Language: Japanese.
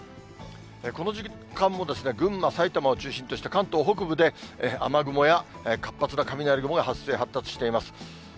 この時間も群馬、埼玉を中心とした関東北部で、雨雲や活発な雷雲が発生、発達しています。